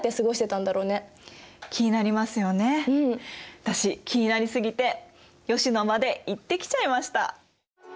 私気になり過ぎて吉野まで行ってきちゃいました。